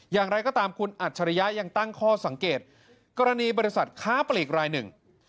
อย่างไรก็ตามคุณอัจฉริยะยังตั้งข้อสังเกตกรณีบริษัทค้าปลีกรายหนึ่ง